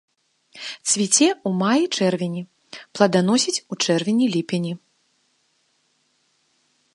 Цвіце ў маі-чэрвені, пладаносіць у чэрвені-ліпені.